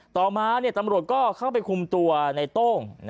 ต่อมาตำรวจก็เข้าไปคุมตัวในโต้ง